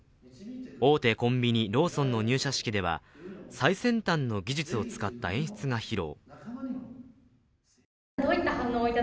大手コンビニ・ローソンの入社式では、最先端の技術を使った演出を披露。